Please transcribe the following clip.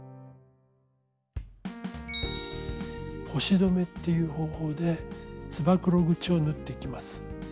「星止め」っていう方法でつばくろ口を縫っていきます。